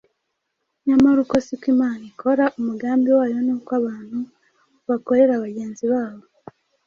nyamara uko si ko Imana ikora. Umugambi wayo ni uko abantu bakorera bagenzi babo.